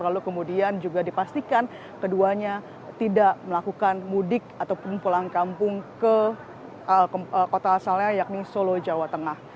lalu kemudian juga dipastikan keduanya tidak melakukan mudik ataupun pulang kampung ke kota asalnya yakni solo jawa tengah